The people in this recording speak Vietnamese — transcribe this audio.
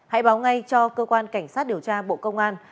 hãy báo ngay cho cơ quan cảnh sát điều tra bộ công an